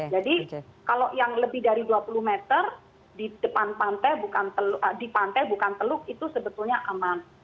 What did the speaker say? jadi kalau yang lebih dari dua puluh meter di depan pantai di pantai bukan teluk itu sebetulnya aman